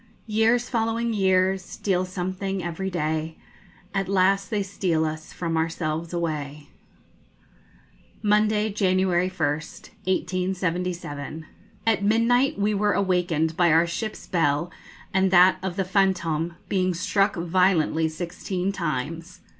Years following years, steal something every day; At last they steal us from ourselves away. Monday, January 1st, 1877. At midnight we were awakened by our ship's bell, and that of the 'Fantôme,' being struck violently sixteen times.